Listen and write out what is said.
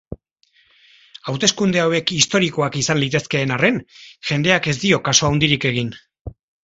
Hauteskunde hauek historikoak izan litezkeen arren, jendeak ez die kaso handirik egin.